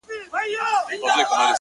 • بختور وي چي یې زه غیږي ته ورسم,